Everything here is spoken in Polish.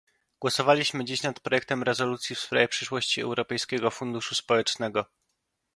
Głosowaliśmy dziś nad projektem rezolucji w sprawie przyszłości Europejskiego Funduszu Społecznego